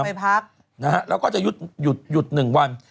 ไปพักนะฮะแล้วก็จะหยุดหยุด๑วัน